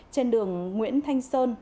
trên đường nguyễn thành